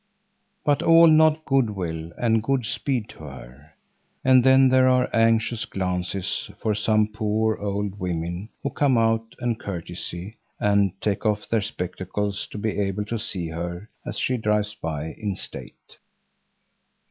But all nod good will and god speed to her. And then there are anxious glances from some poor, old women, who come out and curtsey and take off their spectacles to be able to see her as she drives by in state.